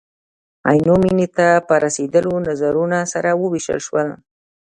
عینو مینې ته په رسېدلو نظرونه سره ووېشل شول.